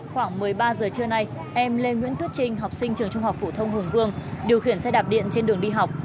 khoảng một mươi ba giờ trưa nay em lê nguyễn tuyết trinh học sinh trường trung học phổ thông hùng vương điều khiển xe đạp điện trên đường đi học